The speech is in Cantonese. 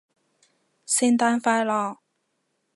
聖誕快樂